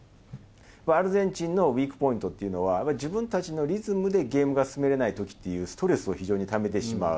アルゼンチンのウイークポイントっていうのは、自分たちのリズムでゲームが進められないときっていう、ストレスを非常にためてしまう。